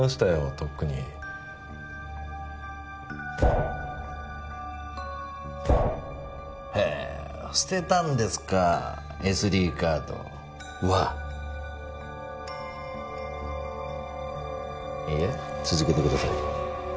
とっくにへえ捨てたんですかＳＤカードはいえ続けてください